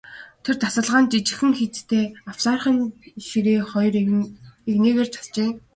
Тэр тасалгаанд жигдхэн хийцтэй авсаархан ширээ хоёр эгнээгээр засжээ.